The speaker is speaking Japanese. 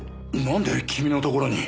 なんで君のところに？